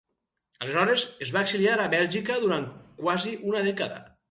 Aleshores, es va exiliar a Bèlgica durant quasi una dècada.